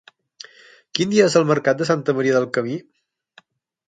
Quin dia és el mercat de Santa Maria del Camí?